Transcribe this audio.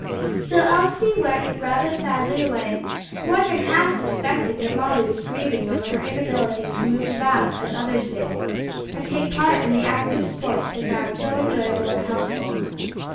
So Elsie went rather sadly away, more than half suspecting that Molly was grieving over her inability to move about as others did, and take part in the active sports they found so enjoyable and healthful.